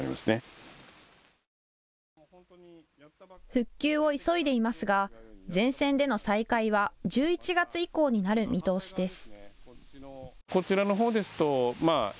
復旧を急いでいますが全線での再開は１１月以降になる見通しです。